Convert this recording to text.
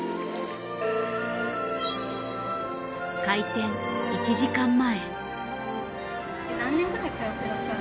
開店１時間前。